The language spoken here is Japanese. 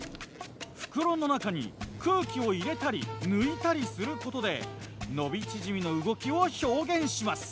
袋の中に空気を入れたり抜いたりすることで伸び縮みの動きを表現します。